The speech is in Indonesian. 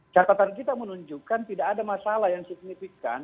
catatan kita menunjukkan tidak ada masalah yang signifikan